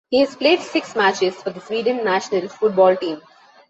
He has played six matches for the Sweden national football team.